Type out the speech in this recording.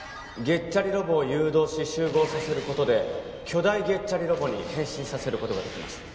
ゲッチャリロボを誘導し集合させることで巨大ゲッチャリロボに変身させることができます